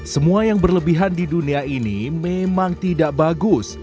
semua yang berlebihan di dunia ini memang tidak bagus